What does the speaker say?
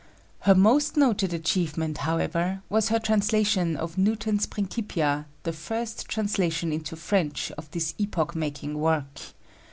Her most noted achievement, however, was her translation of Newton's Principia, the first translation into French of this epoch making work.